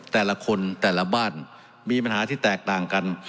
แต่ละคนแต่ละบ้านมีปัญหาที่แตกต่างกัน